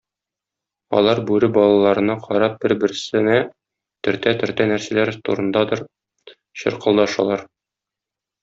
Алар бүре балаларына карап бер-берсенә төртә-төртә нәрсәләр турындадыр чыркылдашалар.